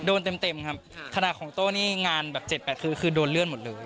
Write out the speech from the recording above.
โดนเต็มครับขนาดของโต้นี่งานแบบ๗๘คือคือโดนเลื่อนหมดเลย